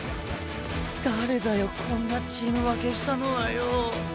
誰だよこんなチーム分けしたのはよ。